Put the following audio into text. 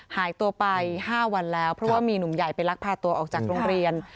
หายตัวไป๕วันแล้วเพราะว่ามีหนุ่มใหญ่ไปลักพาตัวออกจากโรงเรียน